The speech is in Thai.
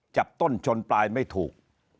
จับต้นชนปลายไม่ถูก